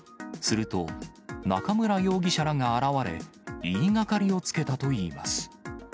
すると、中村容疑者らが現われ、言いがかりをつけたといいます。